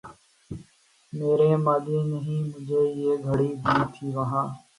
میریں مامیںں نیں مجھیں یہ گھڑی دی تھی وہاں